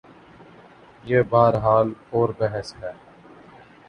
یہ بہرحال اور بحث ہے۔